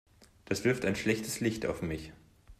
Das wirft ein schlechtes Licht auf mich.